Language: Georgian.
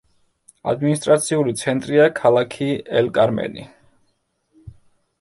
ადმინისტრაციული ცენტრია ქალაქი ელ-კარმენი.